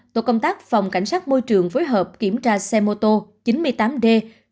tổ công tác phòng cảnh sát môi trường phối hợp kiểm tra xe ô tô chín mươi tám d sáu mươi ba nghìn bảy trăm một mươi